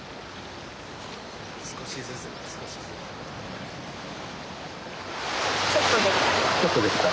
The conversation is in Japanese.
少しずつ少しずつ。ちょっとできた。